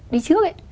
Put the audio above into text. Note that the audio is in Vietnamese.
đi trước ấy